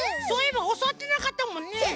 そういえばおそわってなかったもんね。